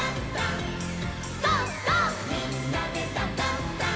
「みんなでダンダンダン」